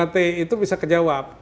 tiga t itu bisa kejawab